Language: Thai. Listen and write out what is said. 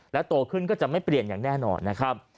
แล้วโตขึ้นก็จะไม่เปลี่ยนอย่างแน่นอนนะครับ